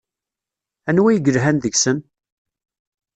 Anwa ay yelhan deg-sen?